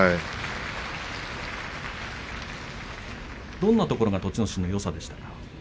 どんなところが栃ノ心のよさでしたか？